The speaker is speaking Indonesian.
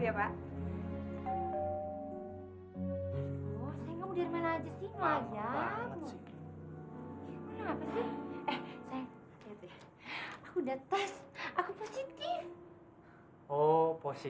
yang pasti aku sih males